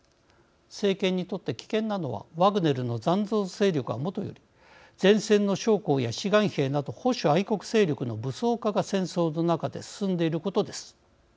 政権にとって危険なのはワグネルの残存勢力はもとより前線の将校や志願兵など保守愛国勢力の武装化が戦争の中で進んでいることです。